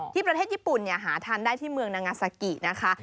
ประเทศญี่ปุ่นหาทานได้ที่เมืองนางาซากินะคะ